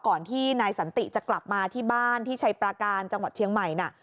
ที่นายสันติจะกลับมาที่บ้านที่ชัยปราการจังหวัดเชียงใหม่น่ะ